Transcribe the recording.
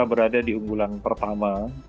berada di unggulan pertama